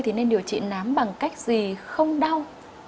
thì nên điều trị nám bằng cách gì không đau